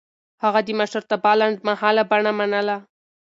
هغه د مشرتابه لنډمهاله بڼه منله.